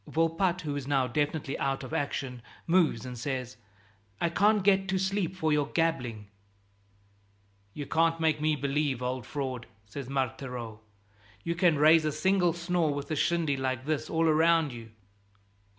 Volpatte, who is now definitely out of action, moves and says, "I can't get to sleep for your gabbling." "You can't make me believe, old fraud," says Marthereau, "that you can raise a single snore with a shindy like this all round you."